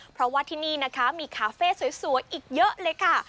เพราะว่าที่นี่นะคะมีคาเฟ่สวยอีกเยอะเลยค่ะ